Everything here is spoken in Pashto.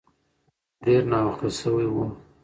خو ډیر ناوخته شوی و.